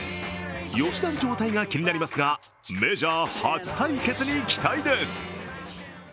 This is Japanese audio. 吉田の状態が気になりますがメジャー初対決に期待です。